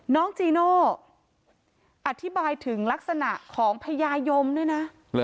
น้องจีโน่อธิบายถึงลักษณะของพญายมด้วยนะ